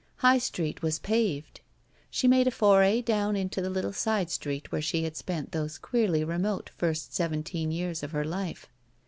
High Street was paved. She made a foray down into the little side street where she had spent those queerly remote first seventeen years of her life.